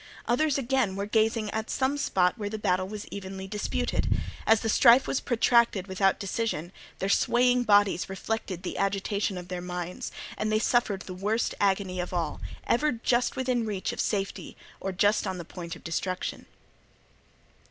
Others, again, were gazing at some spot where the battle was evenly disputed; as the strife was protracted without decision, their swaying bodies reflected the agitation of their minds, and they suffered the worst agony of all, ever just within reach of safety or just on the point of destruction.